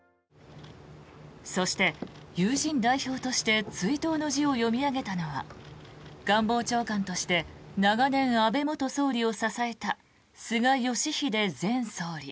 そして、友人代表として追悼の辞を読み上げたのは官房長官として長年、安倍元総理を支えた菅義偉前総理。